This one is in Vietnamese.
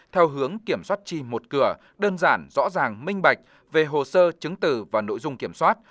theo hướng kiểm soát chi một cửa đơn giản rõ ràng minh bạch về hồ sơ chứng từ và nội dung kiểm soát